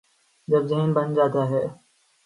جب ذہن بن جاتا ہے۔